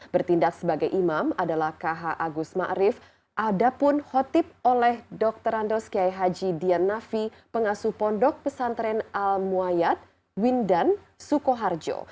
bertindak sebagai imam adalah kh agus ma'rif adapun khotib oleh dr rando skiayi haji diannafi pengasuh pondok pesantren al muayyad windan sukoharjo